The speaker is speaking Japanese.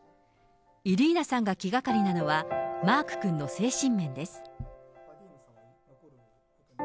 イリーナさんが気がかりなのは、マーク君の精神面です。